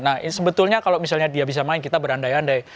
nah sebetulnya kalau misalnya dia bisa main kita berandai andai